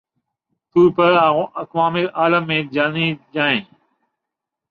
طور پہ اقوام عالم میں جانی جائیں